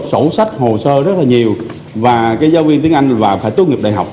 sổ sách hồ sơ rất nhiều và giáo viên tiếng anh phải tuân nghiệp đại học